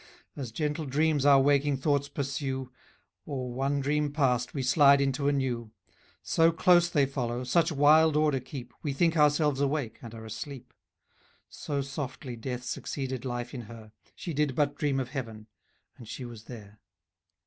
As gentle dreams our waking thoughts pursue, Or, one dream passed, we slide into a new; So close they follow, such wild order keep, We think ourselves awake, and are asleep; So softly death succeeded life in her, She did but dream of heaven, and she was there.